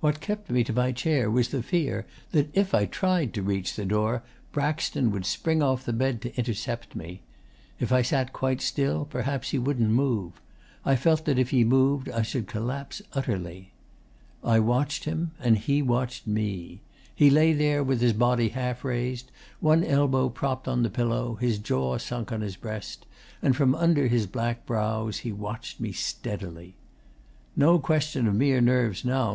'What kept me to my chair was the fear that if I tried to reach the door Braxton would spring off the bed to intercept me. If I sat quite still perhaps he wouldn't move. I felt that if he moved I should collapse utterly. 'I watched him, and he watched me. He lay there with his body half raised, one elbow propped on the pillow, his jaw sunk on his breast; and from under his black brows he watched me steadily. 'No question of mere nerves now.